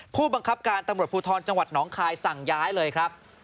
ผู้บังคับการตำรวจภูทรจังหวัดหนองคายสั่งย้ายเลยครับ